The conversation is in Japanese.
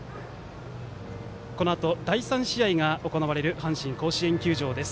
このあと第３試合が行われる阪神甲子園球場です。